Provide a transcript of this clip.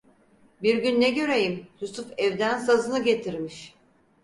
Bir gün ne göreyim, Yusuf evden sazını getirmiş.